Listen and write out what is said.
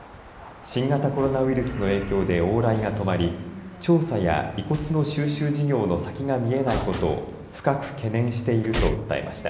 新型コロナウイルスの影響で往来が止まり調査や遺骨の収集事業の先が見えないことを深く懸念していると訴えました。